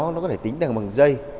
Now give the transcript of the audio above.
nó có thể tính bằng dây